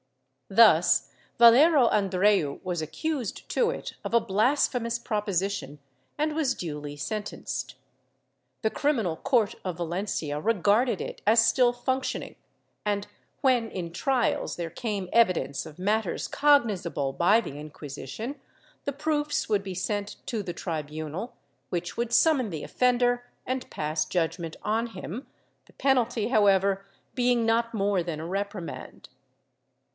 Thus Valero Andreu was accused to it of a blasphemous propo sition and was duly sentenced. The criminal court of Valencia regarded it as still functioning and, when in trials there came evi dence of matters cognizable by the Inquisition, the proofs would be sent to the tribunal which would summon the offender and pass judgement on him, the penalty however being not more than a reprimand.